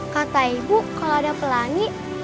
kata ibu kalau ada pelangi